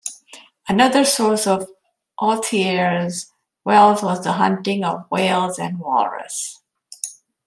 Another source of Ohthere's wealth was the hunting of whales and walrus.